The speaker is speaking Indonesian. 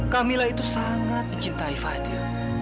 kamila itu sangat mencintai fadil